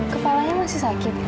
kepalanya masih sakit